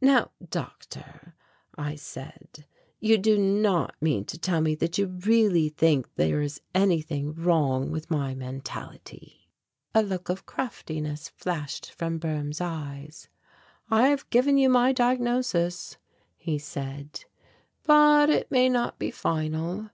"Now, doctor," I said, "you do not mean to tell me that you really think there is anything wrong with my mentality?" A look of craftiness flashed from Boehm's eyes. "I have given you my diagnosis," he said, "but it may not be final.